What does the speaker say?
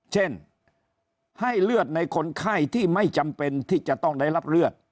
เช่นให้เลือดในคนไข้ที่ไม่จำเป็นที่จะต้องได้รับเลือด